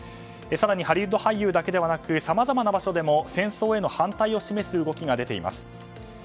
更にハリウッド俳優だけではなくさまざまな場所でも戦争への反対を示す動きが出ています。